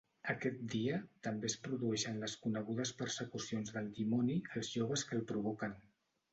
Aquest dia també es produeixen les conegudes persecucions del dimoni als joves que el provoquen.